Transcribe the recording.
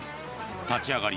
立ち上がり